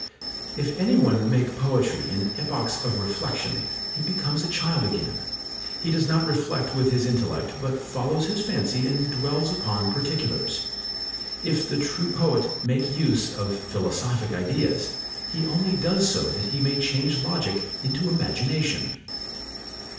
If any one make poetry in epochs of reflexion, he becomes a child again; he does not reflect with his intellect, but follows his fancy and dwells upon particulars. If the true poet make use of philosophic ideas, he only does so that he may change logic into imagination.